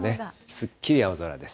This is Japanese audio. すっきり青空です。